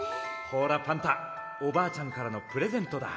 ほらパンタおばあちゃんからのプレゼントだ。